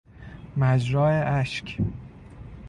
مجرا اشک